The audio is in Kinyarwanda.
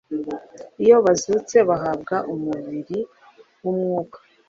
iyo bazutse bahabwa umubiri w’umwuka